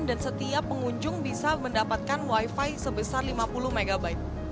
dan setiap pengunjung bisa mendapatkan wifi sebesar lima puluh mb